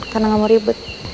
karena gak mau ribet